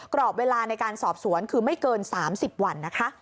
กรอบเวลาในการสอบสวนคือไม่เกิน๓๐วันนะคะ